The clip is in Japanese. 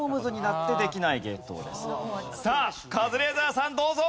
さあカズレーザーさんどうぞ！